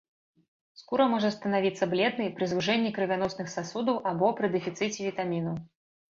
Скура можа станавіцца бледнай пры звужэнні крывяносных сасудаў або пры дэфіцыце вітамінаў.